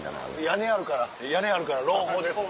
屋根あるから屋根あるから朗報です。